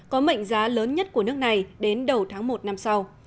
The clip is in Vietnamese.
có mệnh giá lớn nhất của nước này đến đầu tháng một năm sau